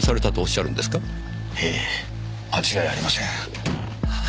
ええ間違いありません。